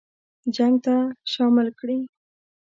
جنګ ته شامل کړي.